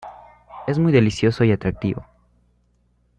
Es muy delicioso y atractivo.